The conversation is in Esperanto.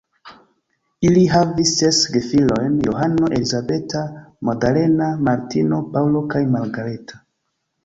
Ili havis ses gefilojn: Johano, Elizabeta, Magdalena, Martino, Paŭlo kaj Margareta.